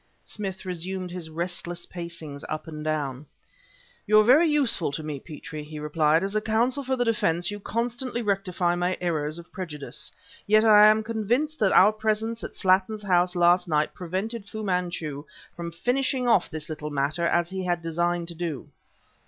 Smith resumed his restless pacings up and down. "You are very useful to me, Petrie," he replied; "as a counsel for the defense you constantly rectify my errors of prejudice. Yet I am convinced that our presence at Slattin's house last night prevented Fu Manchu from finishing off this little matter as he had designed to do."